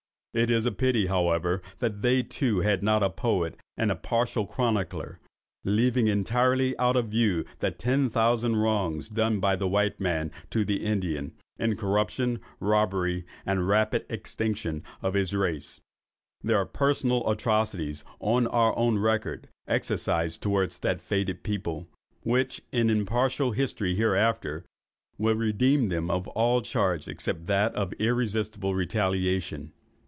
It is a pity, however, that they too, had not a poet and a partial chronicler. Leaving entirely out of view the ten thousand wrongs done by the white man to the Indian, in the corruption, robbery, and rapid extinction of his race, there are personal atrocities, on our own records, exercised toward that fated people, which, in impartial history hereafter, will redeem them from all charge except that of irresistible retaliation.